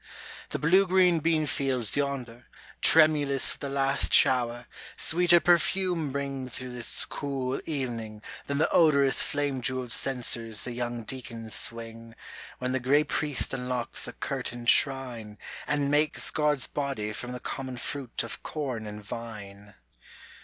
The blue green beanfields yonder, tremulous With the last shower, sweeter perfume bring Through this cool evening than the odorous Flame jeweled censers the young deacons swing, When the gray priest unlocks the curtained shrine, And makes God's body from the common fruit of corn and vine.